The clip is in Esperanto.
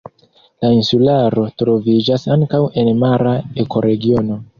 La insularo troviĝas ankaŭ en mara ekoregiono.